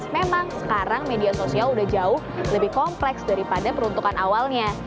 memang sekarang media sosial sudah jauh lebih kompleks daripada peruntukan awalnya